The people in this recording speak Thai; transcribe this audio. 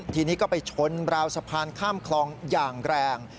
ทีนี้ก็ไปชนราวสะพานข้ามคลองอย่างแรง